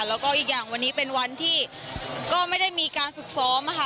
แล้วก็อีกอย่างวันนี้เป็นวันที่ก็ไม่ได้มีการฝึกซ้อมค่ะ